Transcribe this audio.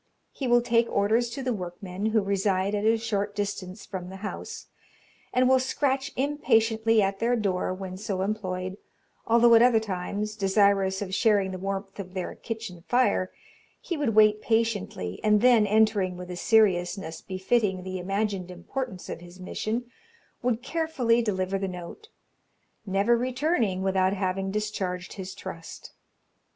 He will take orders to the workmen who reside at a short distance from the house, and will scratch impatiently at their door when so employed, although at other times, desirous of sharing the warmth of their kitchen fire, he would wait patiently, and then entering with a seriousness befitting the imagined importance of his mission, would carefully deliver the note, never returning without having discharged his trust.